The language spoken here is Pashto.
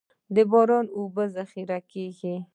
د باران اوبه ذخیره کیږي